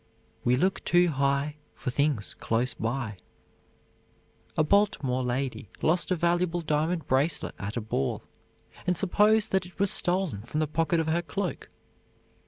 "We look too high For things close by." A Baltimore lady lost a valuable diamond bracelet at a ball, and supposed that it was stolen from the pocket of her cloak.